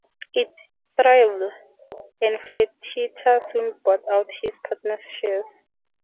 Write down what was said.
It thrived, and Fertitta soon bought out his partners' shares.